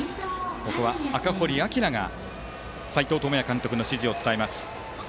赤堀聖が斎藤智也監督の指示を伝えます。